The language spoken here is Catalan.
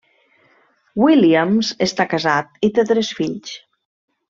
Williams està casat i té tres fills.